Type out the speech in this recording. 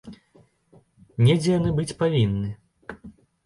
Недзе яны быць павінны.